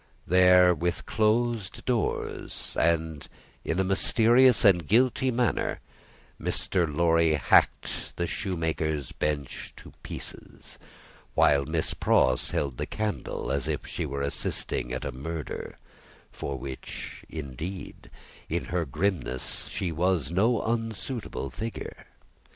There, with closed doors, and in a mysterious and guilty manner, Mr. Lorry hacked the shoemaker's bench to pieces, while Miss Pross held the candle as if she were assisting at a murder for which, indeed, in her grimness, she was no unsuitable figure.